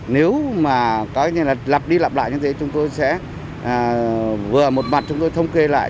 nếu mà có như là lặp đi lặp lại như thế chúng tôi sẽ vừa một mặt chúng tôi thông kê lại